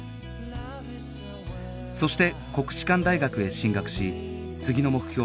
そして国士舘大学へ進学し次の目標